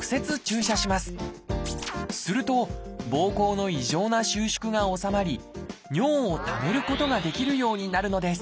するとぼうこうの異常な収縮が収まり尿をためることができるようになるのです。